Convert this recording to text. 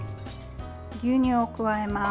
牛乳を加えます。